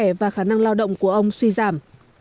tìm hiểu về sức khỏe và khả năng lao động của ông suy giảm